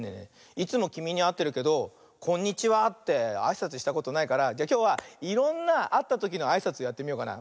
いつもきみにあってるけど「こんにちは」ってあいさつしたことないからじゃあきょうはいろんなあったときのあいさつをやってみようかな。